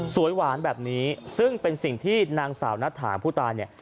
หวานแบบนี้ซึ่งเป็นสิ่งที่นางสาวนัทธาผู้ตายเนี่ย